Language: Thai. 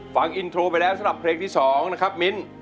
ฟังอินโทรไปแล้วสำหรับเพลงที่๒นะครับมิ้น